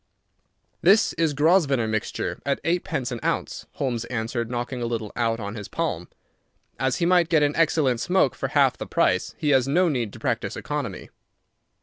"This is Grosvenor mixture at eightpence an ounce," Holmes answered, knocking a little out on his palm. "As he might get an excellent smoke for half the price, he has no need to practise economy."